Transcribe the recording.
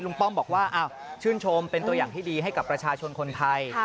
ป้อมบอกว่าชื่นชมเป็นตัวอย่างที่ดีให้กับประชาชนคนไทย